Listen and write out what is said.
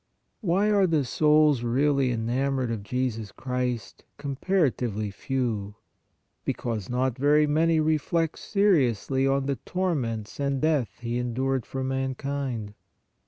Why are the souls really enamored of Jesus Christ, comparatively few ? Because not very many reflect seriously on the torments and death He endured for mankind.